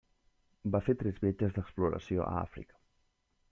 Va fer tres viatges d'exploració a Àfrica.